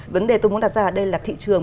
vấn đề tôi muốn đặt ra đây là thị trường